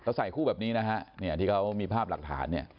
แล้วใส่คู่แบบนี้นะฮะที่เขามีภาพหลักฐาน